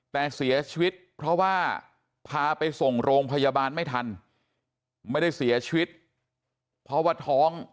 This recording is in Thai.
แต่เสียชีวิตเพราะว่าพาไปส่งโรงพยาบาลไม่ทันไม่ได้เสียชีวิตเพราะว่าท้อง